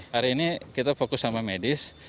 hari ini kita fokus sama medis